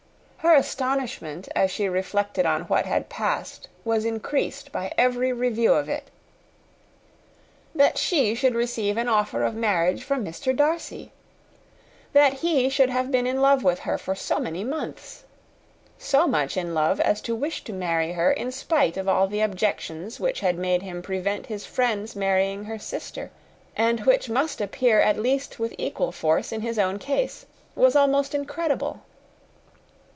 Her astonishment, as she reflected on what had passed, was increased by every review of it. That she should receive an offer of marriage from Mr. Darcy! that he should have been in love with her for so many months! so much in love as to wish to marry her in spite of all the objections which had made him prevent his friend's marrying her sister, and which must appear at least with equal force in his own case, was almost incredible!